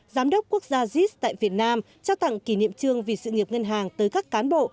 giám đốc quốc gia jiz tại việt nam trao tặng kỷ niệm trương vì sự nghiệp ngân hàng tới các cán bộ